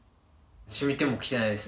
染みてもきてないです。